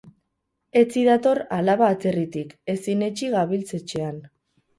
Etzi dator alaba atzerritik, ezin etsi gabiltz etxean.